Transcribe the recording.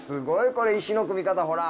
これ石の組み方ほら。